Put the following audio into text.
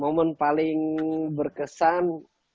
momen paling berkesan